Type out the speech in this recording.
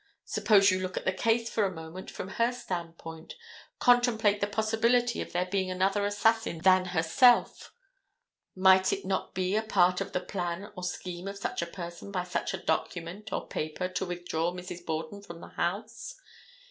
Suppose you look at the case for a moment from her standpoint, contemplate the possibility of there being another assassin than herself, might it not be a part of the plan or scheme of such a person by such a document or paper to withdraw Mrs. Borden from the house?